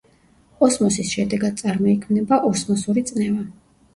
ოსმოსის შედეგად წარმოიქმნება ოსმოსური წნევა.